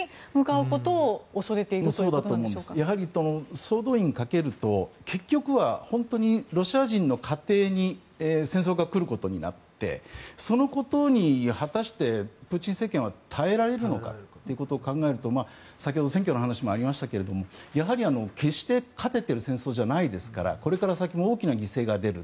やはり、総動員をかけると結局はロシア人の家庭に戦争が来ることになってそのことに果たしてプーチン政権は耐えられるのかということを考えると先ほど、選挙の話もありましたがやはり決して勝てている戦争じゃないですからこれから先も大きな犠牲が出る。